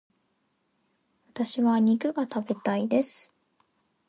私は肉が食べたいです。